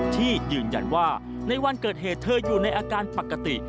ที่ยืนยันว่าในวันเกิดเหตุเธออยู่ในอาการปกติ